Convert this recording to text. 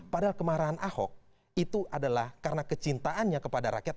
padahal kemarahan ahok itu adalah karena kecintaannya kepada rakyat